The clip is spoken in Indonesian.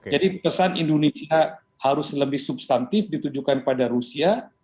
jadi pesan indonesia harus lebih substantif ditujukan pada rusia